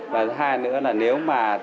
và hai nữa là nếu mà